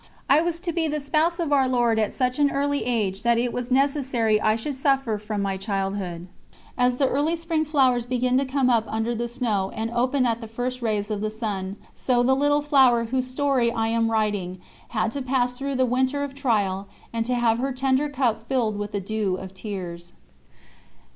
I was to be the Spouse of Our Lord at such an early age that it was necessary I should suffer from my childhood. As the early spring flowers begin to come up under the snow and open at the first rays of the sun, so the Little Flower whose story I am writing had to pass through the winter of trial and to have her tender cup filled with the dew of tears.